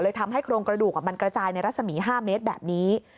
ทำให้โครงกระดูกมันกระจายในรัศมี๕เมตรแบบนี้